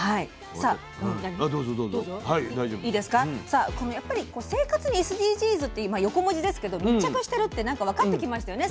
さあこの生活にＳＤＧｓって横文字ですけど密着してるってなんか分かってきましたよね